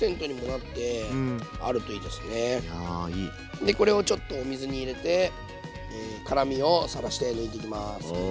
でこれをちょっとお水に入れて辛みをさらして抜いていきます。